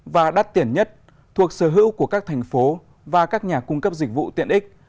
và đắt tiền nhất thuộc sở hữu của các thành phố và các nhà cung cấp dịch vụ tiện ích